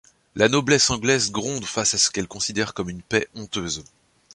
La noblesse anglaise gronde face à ce qu'ils considèrent comme une paix honteuse.